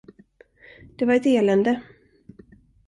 Det var ett elände.